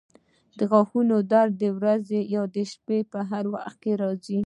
د غاښونو درد د ورځې یا شپې هر وخت راځي.